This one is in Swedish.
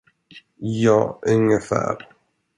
Ja, ungefär.